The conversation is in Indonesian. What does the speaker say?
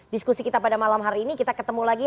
diskusi kita pada malam hari ini kita ketemu lagi